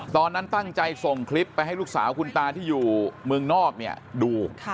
ตอนนั้นตั้งใจส่งคลิปไปให้ลูกสาวคุณตาที่อยู่เมืองนอกเนี่ยดู